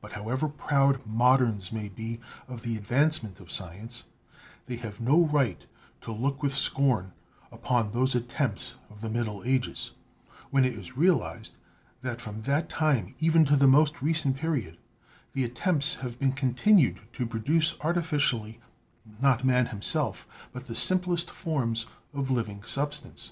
But, however proud moderns may be of the advancement of science, they have no right to look with scorn upon those attempts of the middle ages, when it is realized that from that time even to the most recent period the attempts have been continued to produce artificially not man himself, but the simplest forms of living substance.